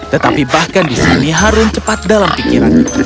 tetapi bahkan di sini harun cepat dalam pikiran